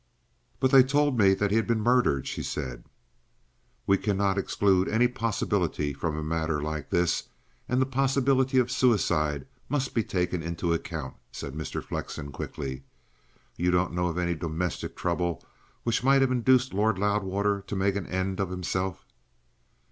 "But they told me that he'd been murdered," she said. "We cannot exclude any possibility from a matter like this, and the possibility of suicide must be taken into account," said Mr. Flexen quickly. "You don't know of any domestic trouble which might have induced Lord Loudwater to make an end of himself?"